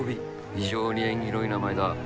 非常に縁起のいい名前だ。